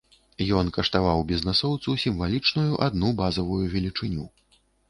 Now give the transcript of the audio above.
Ён каштаваў бізнэсоўцу сімвалічную адну базавую велічыню.